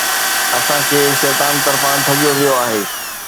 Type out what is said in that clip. اسان کي شيطان طرفان ٺڳيو ويو آهي